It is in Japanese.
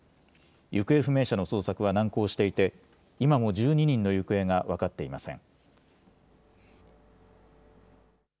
行方不明者の捜索は難航していて今も１２人の行方が分かっていません。